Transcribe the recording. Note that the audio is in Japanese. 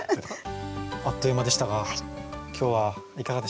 あっという間でしたが今日はいかがでしたか？